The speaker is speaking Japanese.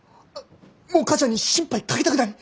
もう母ちゃんに心配かけたくない。